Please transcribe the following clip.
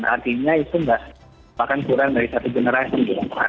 artinya itu bahkan kurang dari satu generasi